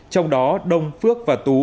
trong đó đông phước và tú